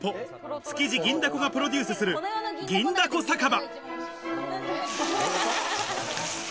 築地銀だこがプロデュースする、銀だこ酒場。